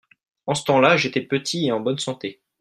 en ce temps-là j'étais petit et en bonne santé.